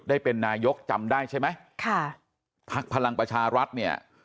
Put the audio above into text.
ได้เป็นนายกจำได้ใช่ไหมค่ะพักพลังประชารัฐเนี่ย